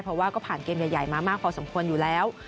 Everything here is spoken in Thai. เพราะว่าก็ผ่านเกมใหญ่มามากพอสมควรอยู่แล้ว